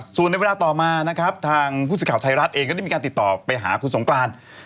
ส่วนในเวลาต่อมานะครับทางผู้สื่อข่าวไทยรัฐเองก็ได้มีการติดต่อไปหาคุณสงกราน